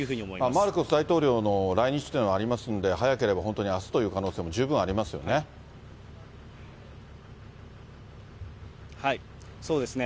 マルコス大統領の来日というのがありますんで、早ければ本当にあすという可能性も十分ありますよね。